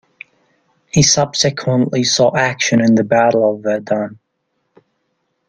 He subsequently saw action in the Battle of Verdun.